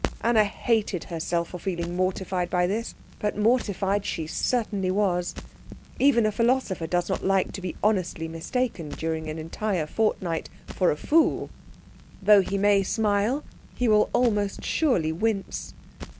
Anna hated herself for feeling mortified by this; but mortified she certainly was. Even a philosopher does not like to be honestly mistaken during an entire fortnight for a fool. Though he may smile, he will almost surely wince.